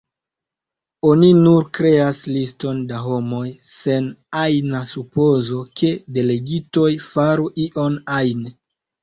Oni nur kreas liston da homoj sen ajna supozo, ke delegitoj faru ion ajn.